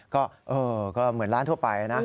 ก็เหมือนร้านทั่วไปนะ